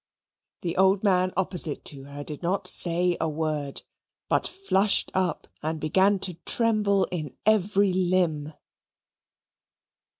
The old man opposite to her did not say a word, but flushed up and began to tremble in every limb.